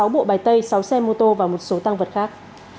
sáu bộ bài tay sáu xe mô tô và một số tăng vật khác